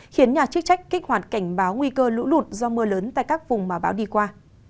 khiến nhà chức trách kích hoạt cảnh báo nguy cơ lũ lụt do mưa lớn tại các vùng mà bão đi qua